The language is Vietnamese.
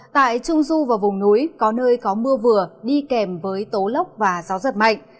tại trung du và vùng núi có nơi có mưa vừa đi kèm với tố lốc và gió giật mạnh